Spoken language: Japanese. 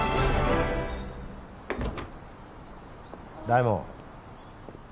大門。